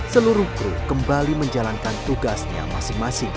seluruh kru kembali menjalankan tugasnya masing masing